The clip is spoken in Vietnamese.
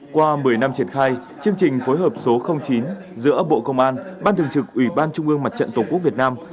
qua một mươi năm triển khai chương trình phối hợp số chín giữa bộ công an ban thường trực ủy ban trung ương mặt trận tổ quốc việt nam